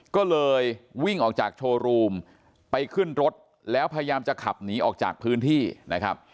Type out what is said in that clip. ก็เลยวิ่งออกจากโชว์รูมไปขึ้นรถแล้วพยายามจะขับหนีออกจากพื้นที่นะครับ